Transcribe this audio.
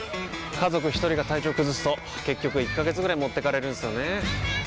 家族一人が体調崩すと結局１ヶ月ぐらい持ってかれるんすよねー。